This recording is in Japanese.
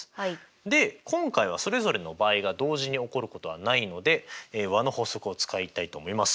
で今回はそれぞれの場合が同時に起こることはないので和の法則を使いたいと思います。